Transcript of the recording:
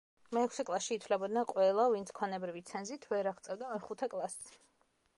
მეექვსე კლასში ითვლებოდნენ ყველა, ვინც ქონებრივი ცენზით ვერ აღწევდა მეხუთე კლასს.